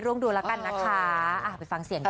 ลองดูแล้วกันนะคะไปฟังเสียงค่ะ